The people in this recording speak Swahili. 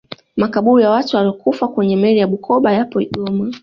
makabuli ya watu waliyokufa kwenye meli ya bukoba yapo igoma